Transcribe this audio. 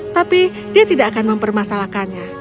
tapi dia tidak akan mempermasalahkannya